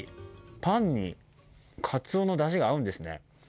パンにかつおのだしが合うんですね。